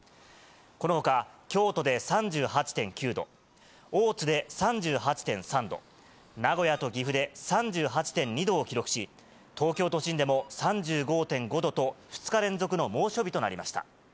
このほか京都で３８．９度、大津で３８．３度、名古屋と岐阜で３８．２度を記録し、東京都心でも３５．５度と、２日連続の猛暑日となりました。